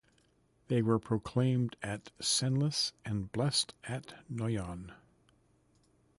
They were proclaimed at Senlis and blessed at Noyon.